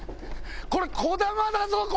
これこだまだぞ？